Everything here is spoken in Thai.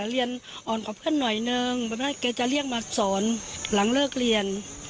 เรียนอ่อนกว่าเพื่อนหน่อยนึงแบบนั้นแกจะเรียกมาสอนหลังเลิกเรียน